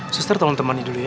suster tolong temani dulu ya